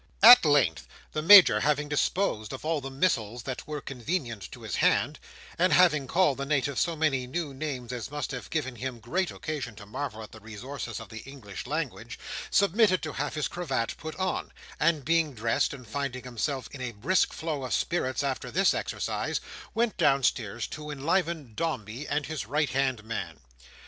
At length, the Major having disposed of all the missiles that were convenient to his hand, and having called the Native so many new names as must have given him great occasion to marvel at the resources of the English language, submitted to have his cravat put on; and being dressed, and finding himself in a brisk flow of spirits after this exercise, went downstairs to enliven "Dombey" and his right hand man.